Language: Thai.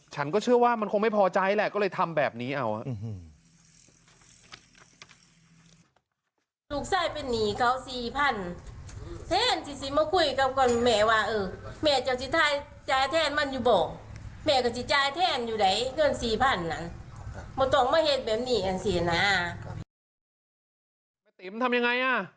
ฉันก็เชื่อว่ามันคงไม่พอใจแหละก็เลยทำแบบนี้เอาครับ